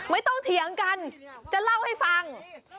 ไม่ต้องเถียงกันจะเล่าให้ฟัง